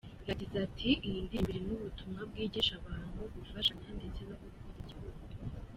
Yagize ati: "Iyi ndirimbo irimo ubutumwa bwigisha abantu gufashanya ndetse no gukunda igihugu.